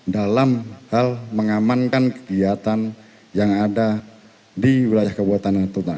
dalam hal mengamankan kegiatan yang ada di wilayah kabupaten natuna